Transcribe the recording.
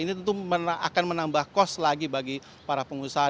ini tentu akan menambah kos lagi bagi para pengusaha